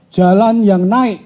jalan yang naik